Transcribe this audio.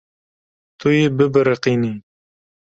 Tu yê bibiriqînî.